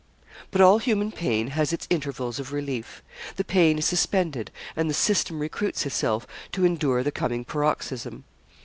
But all human pain has its intervals of relief. The pain is suspended, and the system recruits itself to endure the coming paroxysm.